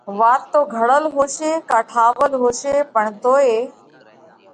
وات تو گھڙل هوشي ڪا ٺاول هوشي پڻ توئي